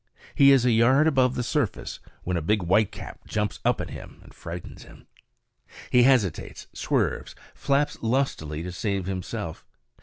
He is a yard above the surface when a big whitecap jumps up at him and frightens him. He hesitates, swerves, flaps lustily to save himself.